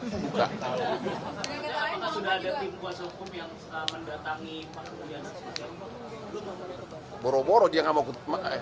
apakah sudah ada tim kuasa hukum yang mendatangi pengadilan